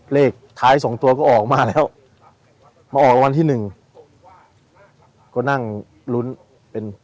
เลขท้ายสองตัวก็ออกมาแล้วมาออกรางวัลที่หนึ่งก็นั่งลุ้นเป็น